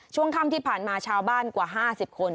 ช่วงค่ำที่ผ่านมาชาวบ้านกว่า๕๐คน